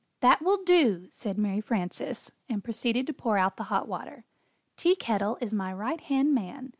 "That will do!" said Mary Frances, and proceeded to pour out the hot water. "Tea Kettle is my right hand man.